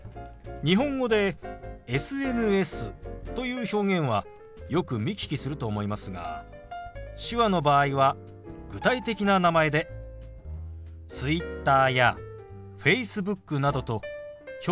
日本語でＳＮＳという表現はよく見聞きすると思いますが手話の場合は具体的な名前でＴｗｉｔｔｅｒやＦａｃｅｂｏｏｋなどと表現することが多いんですよ。